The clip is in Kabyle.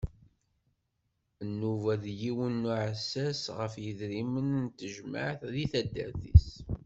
Inuba d yiwen n uɛessas ɣef yedrimen n tejmaɛt deg tadart-is.